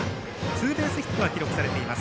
ツーベースヒットが記録されています。